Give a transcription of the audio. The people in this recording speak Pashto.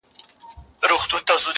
o خر د قندو په خوند څه پوهېږي.